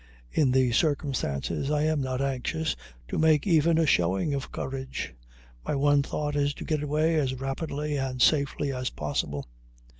In these circumstances I am not anxious to make even a showing of courage; my one thought is to get away as rapidly and safely as possible.